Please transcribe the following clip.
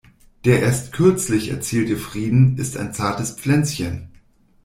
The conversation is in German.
Der erst kürzlich erzielte Frieden ist ein zartes Pflänzchen.